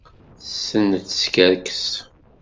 Tessen ad teskerkes.